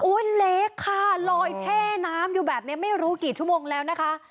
เล็กค่ะลอยแช่น้ำอยู่แบบนี้ไม่รู้กี่ชั่วโมงแล้วนะคะ